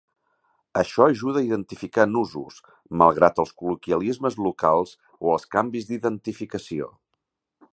Això ajuda a identificar nusos, malgrat els col·loquialismes locals o els canvis d'identificació.